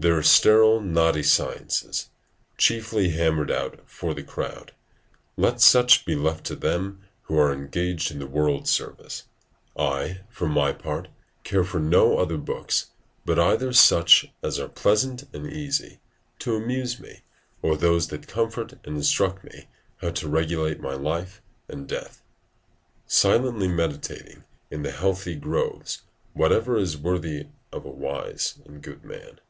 There are sterile knotty sciences, chiefly hammered out for the crowd; let such be left to them who are engaged in the world's service. I for my part care for no other books, but either such as are pleasant and easy, to amuse me, or those that comfort and instruct me how to regulate my life and death: "Tacitum sylvas inter reptare salubres, Curantem, quidquid dignum sapienti bonoque est." ["Silently meditating in the healthy groves, whatever is worthy of a wise and good man."